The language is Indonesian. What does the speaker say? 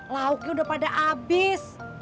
lauki udah pada abis